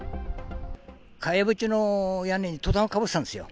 かやぶきの屋根にトタンかぶせてたんですよ。